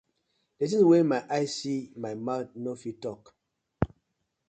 Di tinz wey my eye see my mouth no fit tok.